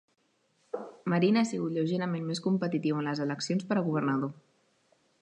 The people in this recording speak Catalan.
Marin ha sigut lleugerament més competitiu en les eleccions per a governador.